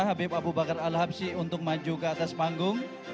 habib abu bakar al habsi untuk maju ke atas panggung